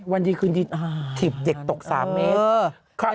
วันดีคืนดีถีบเด็กตก๓เมตร